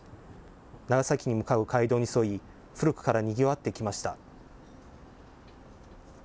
長崎に向かう街道に沿い、古くからにぎわってきました。